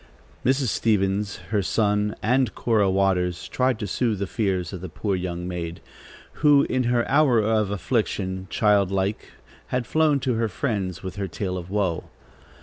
Mrs. Stevens, her son and Cora Waters tried to soothe the fears of the poor young maid, who, in her hour of affliction, childlike, had flown to her friends with her tale of woe.